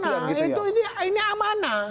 tidak pernah ini amanah